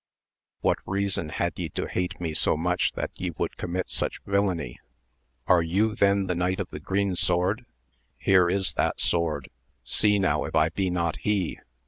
What reason had ye to hate me so much that ye would commit such villainy? — ^Are youthen the Knight of the Green Sword ?~Here is that sword, see now if I be not he.